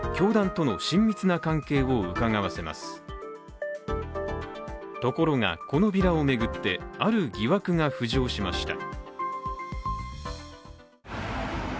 ところが、このビラを巡ってある疑惑が浮上しました。